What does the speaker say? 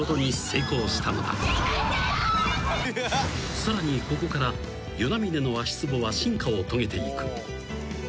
［さらにここから與那嶺の足つぼは進化を遂げていく］